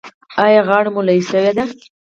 ایا غاړه مو لویه شوې ده؟